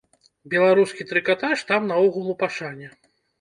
Беларускі трыкатаж там наогул у пашане.